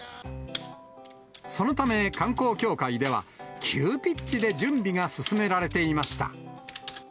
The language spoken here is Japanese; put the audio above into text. そのため、観光協会では、急ピッチで準備が進められていました。